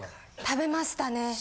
食べましたね。